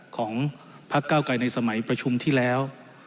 ของพักเก้าไกรในสมัยประชุมที่แล้ว